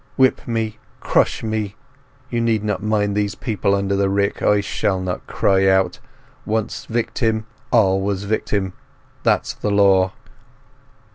"Whip me, crush me; you need not mind those people under the rick! I shall not cry out. Once victim, always victim—that's the law!"